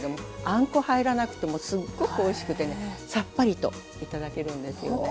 あんこ入らなくてもすっごくおいしくてねさっぱりと頂けるんですよね。